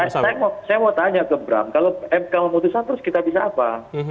saya mau tanya ke bram kalau mk memutuskan terus kita bisa apa